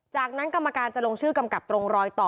จากนั้นกรรมการจะลงชื่อกำกับตรงรอยต่อ